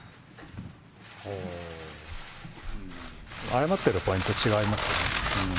謝ってるポイント、違いますよね。